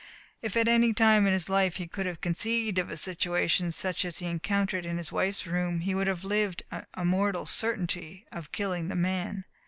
If at any time in his life he could have conceived of a situation such as he encountered in his wife's room, he would have lived in a moral certainty of killing the man.